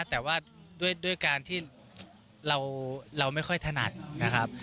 แต่ว่าด้วยการที่เราไม่ค่อยถนัดนะครับ